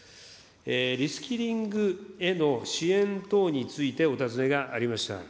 リスキリングへの支援等についてお尋ねがありました。